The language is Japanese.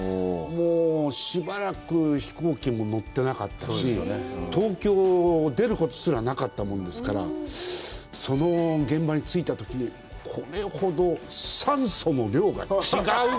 もうしばらく飛行機も乗ってなかったし、東京を出ることすらなかったもんですから、その現場に着いたときに、これほど酸素の量が違う！